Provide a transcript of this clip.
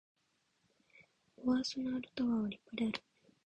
ボワソナードタワーは立派である